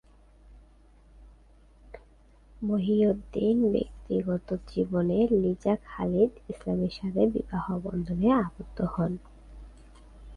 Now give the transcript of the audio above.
মহিউদ্দিন ব্যক্তিগত জীবনে লিজা খালিদ ইসলামের সাথে বিবাহ বন্ধনে আবদ্ধ হন।